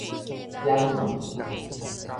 掩門